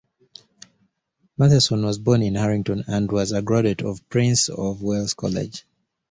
Mathieson was born in Harrington and was a graduate of Prince of Wales College.